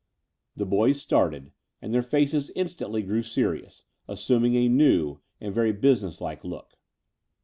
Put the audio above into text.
The boys started ; and their faces instantly grew serious, assuming a new and very businesslike look.